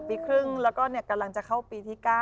ปีครึ่งแล้วก็กำลังจะเข้าปีที่๙